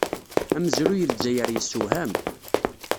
Amezruy n Lezzayer yessewham.